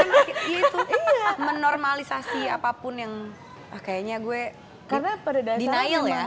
karena itu menormalisasi apapun yang kayaknya gue denyel ya